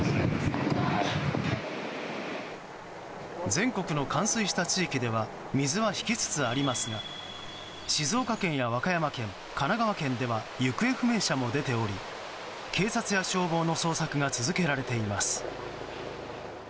全国の冠水した地域では水は引きつつありますが静岡県や和歌山県、神奈川県では行方不明者も出ており警察や消防の捜索が続けられています。